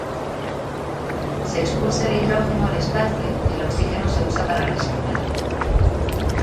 Se expulsa el hidrógeno al espacio y el oxígeno se usa para respirar.